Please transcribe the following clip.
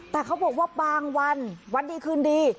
แต่เขาบอกว่าบางวันวันดีคืนดี